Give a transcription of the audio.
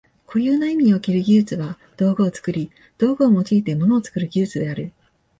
固有な意味における技術は道具を作り、道具を用いて物を作る技術である。